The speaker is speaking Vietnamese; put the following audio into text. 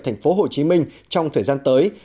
thành phố hồ chí minh trong thời gian tới